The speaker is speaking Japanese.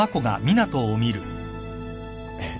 えっ？